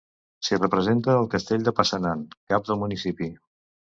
S'hi representa el castell de Passanant, cap del municipi.